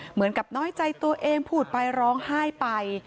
เหมือนกับน้อยใจตัวเองพูดไปร้องไห้ไป